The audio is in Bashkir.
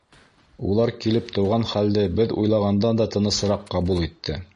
Улар килеп тыуған хәлде беҙ уйлағандан да тынысыраҡ ҡабул итте.